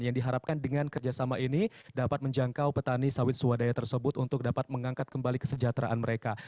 yang diharapkan dengan kerjasama ini dapat menjangkau petani sawit swadaya tersebut untuk dapat mengangkat kembali kesejahteraan mereka